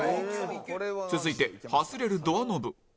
続いて外れるドアノブ